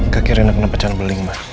kakak reyna kena pecahan beling mbak